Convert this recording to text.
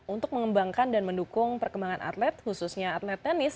untuk mengembangkan dan mendukung perkembangan atlet khususnya atlet tenis